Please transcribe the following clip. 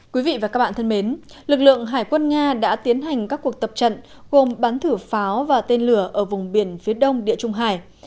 quý vị và các bạn thân mến lực lượng hải quân nga đã tiến hành các cuộc tập trận gồm bắn thử pháo và tên lửa ở vùng biển phía đông địa trung hải